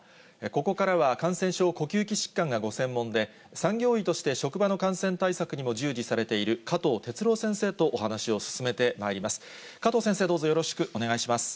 ここからは感染症、呼吸器疾患がご専門で、産業医として職場の感染対策にも従事されている、加藤哲朗先生とお話を進めてまいります。